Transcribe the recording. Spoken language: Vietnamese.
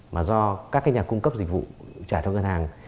mà do các cái nhà cung cấp dịch vụ trả cho ngân hàng